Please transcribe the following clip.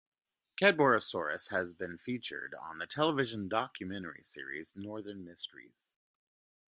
Cadborosaurus has been featured on the television documentary series "Northern Mysteries".